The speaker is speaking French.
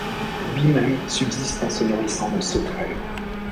Lui-même subsiste en se nourrissant de sauterelles.